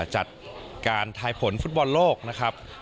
จัดการทายผลฟุตบอลโลกนะครับ